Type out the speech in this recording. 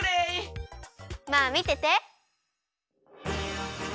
まあみてて。